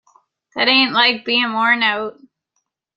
That ain't like being worn out.